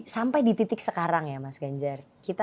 sampai di titik sekarang ya mas ganjar